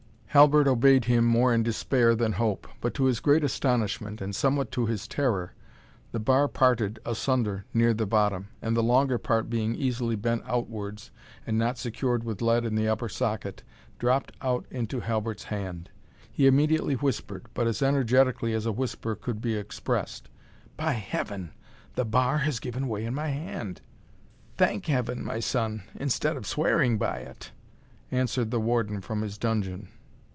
Halbert obeyed him more in despair than hope, but to his great astonishment, and somewhat to his terror, the bar parted asunder near the bottom, and the longer part being easily bent outwards, and not secured with lead in the upper socket, dropt out into Halbert's hand. He immediately whispered, but as energetically as a whisper could be expressed "By Heaven, the bar has given way in my hand!" "Thank Heaven, my son, instead of swearing by it," answered Warden from his dungeon.